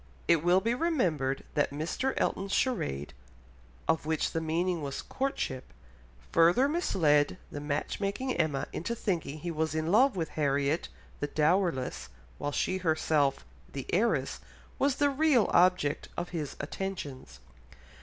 It will be remembered that Mr. Elton's charade, of which the meaning was "Courtship," further misled the match making Emma into thinking he was in love with Harriet the dowerless, while she herself, the heiress, was the real object of his attentions.